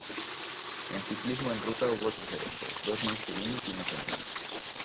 En ciclismo en ruta hubo tres eventos: dos masculinos y uno femenino.